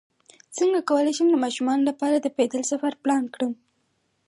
څنګه کولی شم د ماشومانو لپاره د پیدل سفر پلان کړم